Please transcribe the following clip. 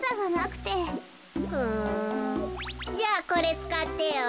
じゃあこれつかってよ。